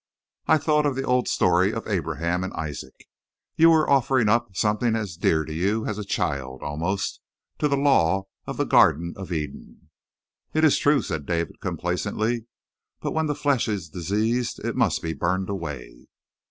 "I thought of the old story of Abraham and Isaac. You were offering up something as dear to you as a child, almost, to the law of the Garden of Eden." "It is true," said David complacently. "But when the flesh is diseased it must be burned away."